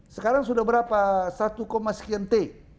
sekarang sudah berapa satu sekian t